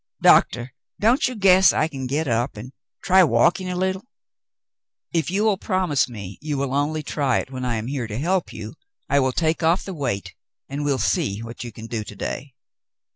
"Doctah, don't ye guess I can get up an' try walkin' a leetle ?" "If you will promise me you will only try it when I am here to help you, I will take off the weight, and we'll see what you can do to day."